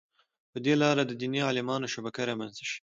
په دې لاره د دیني عالمانو شبکه رامنځته شي.